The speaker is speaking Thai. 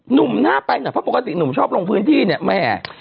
หนุ่มน่าไปเนี่ยเพราะว่าปกติแนวหนุ่มชอบลงพื้นที่เนี่ยมา่า